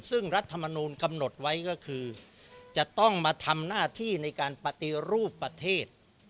ซึ่งรัฐมนูลกำหนดไว้ก็คือจะต้องมาทำหน้าที่ในการปฏิรูปประเทศ